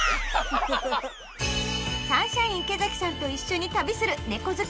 サンシャイン池崎さんと一緒に旅する猫好き